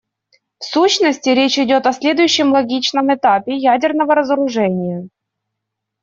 В сущности, речь идет о следующем логичном этапе ядерного разоружения.